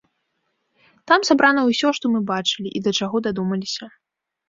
Там сабрана ўсё, што мы бачылі, і да чаго дадумаліся.